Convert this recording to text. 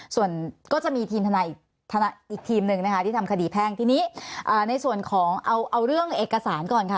ส่วนก็จะมีทีมทนายอีกทีมหนึ่งนะคะที่ทำคดีแพ่งทีนี้ในส่วนของเอาเรื่องเอกสารก่อนค่ะ